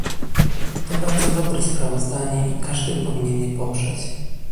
To bardzo dobre sprawozdanie i każdy powinien je poprzeć